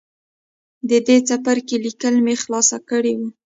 د دې څپرکي ليکل مې خلاص کړي وو.